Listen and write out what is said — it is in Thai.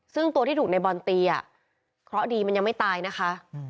ซึ่งตัวที่ถูกในบอลตีอ่ะเคราะห์ดีมันยังไม่ตายนะคะ